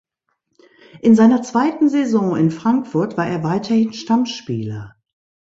In seiner zweiten Saison in Frankfurt war er weiterhin Stammspieler.